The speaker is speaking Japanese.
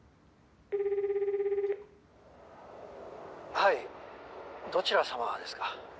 「はいどちら様ですか？」